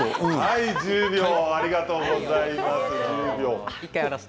１０秒ありがとうございます。